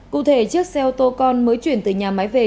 cụ thể chiếc xe ô tô con mới chuyển từ nhà máy về